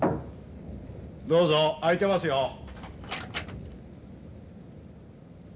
どうぞ開いてますよ。